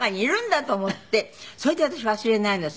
それで私忘れないのよ